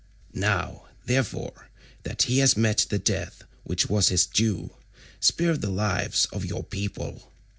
Now, therefore, that he has met the death which was his due, spare the lives of your people.